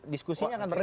diskusinya akan bergeser